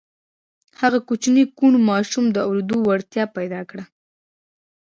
هغه کوچني کوڼ ماشوم د اورېدو وړتيا پيدا کړه.